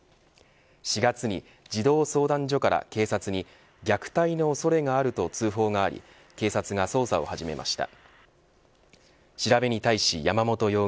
４月に児童相談所から警察に虐待の恐れがあると通報があり警察が捜査を始めました。